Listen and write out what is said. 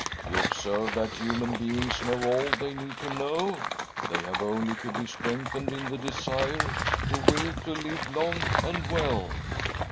You observe that human beings know all they need to know ? They have only to be strengthened in the desire, to will to live long and well."